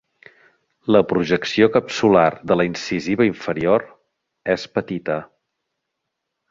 La projecció capsular de la incisiva inferior és petita.